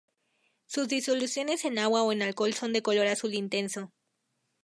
Sus disoluciones en agua o en alcohol son de color azul intenso.